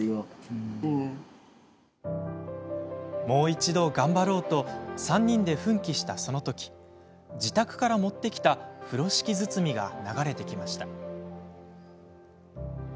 もう一度、頑張ろうと３人で奮起したそのとき自宅から持ってきた風呂敷包みが流れてきました。